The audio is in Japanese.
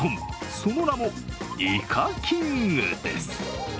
その名もイカキングです。